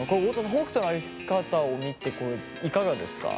北斗の歩き方を見ていかがですか？